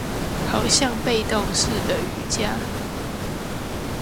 好像被動式的瑜珈